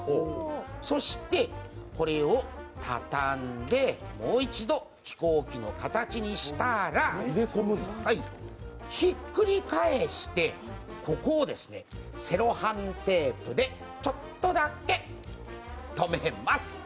そして、これを畳んでもう一度飛行機の形にしたら、ひっくり返して、ここをセロハンテープでちょっとだけとめます。